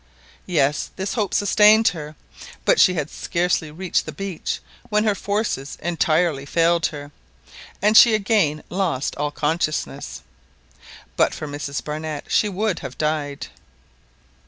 Yes, this hope sustained her, but she had scarcely reached the beach when her forces entirely failed her, and she again lost all consciousness. But for Mrs Barnett she would have died.